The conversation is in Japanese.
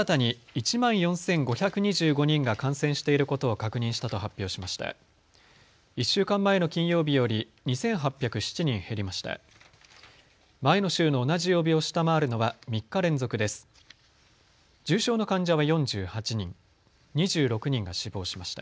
１週間前の金曜日より２８０７人減りました。